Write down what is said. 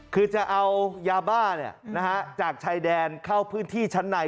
คือจะเอายาบ้าจากชายแดนเข้าพื้นที่ชั้นใน